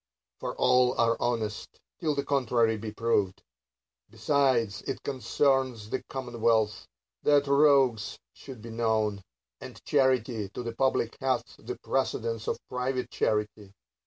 For all are honest, till the contrary be proved. — Besides, it concerns the commonwealth that rogues should be known ; and charity to the public hath the precedence of private charity.